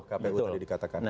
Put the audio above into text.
kpu tadi dikatakan